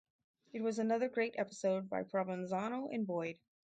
It was another great episode by Provenzano and Boyd.